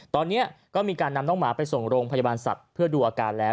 ตอนนี้ก็มีการนำน้องหมาไปส่งโรงพยาบาลสัตว์เพื่อดูอาการแล้ว